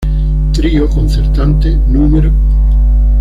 Trío concertante núm.